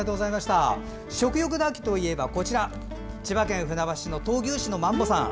食欲の秋といえば千葉県船橋市の闘牛士のマンボさん。